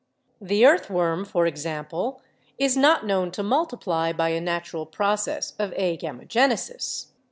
The earthworm, for example, is not known to multiply by a natural process of agamogenesis.